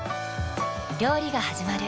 料理がはじまる。